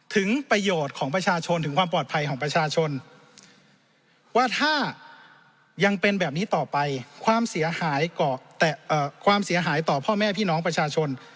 ถึงประโยชน์ของประชาชนถึงความปลอดภัยของประชาชน